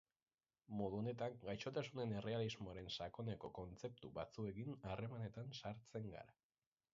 Modu honetan gaixotasunen errealismoaren sakoneko kontzeptu batzuekin harremanetan sartzen gara.